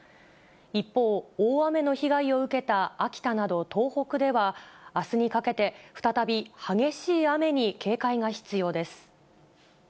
一方、大雨の被害を受けた秋田など東北では、あすにかけて再び激しい雨に警戒が必要です。